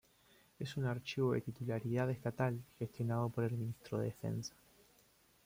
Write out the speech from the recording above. Es un archivo de titularidad estatal, gestionado por el Ministerio de Defensa.